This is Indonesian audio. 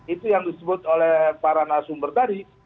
itu yang disebut oleh para nasumber tadi